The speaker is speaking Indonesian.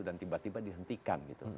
dan tiba tiba dihentikan